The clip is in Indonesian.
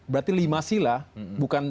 berarti lima sila bukan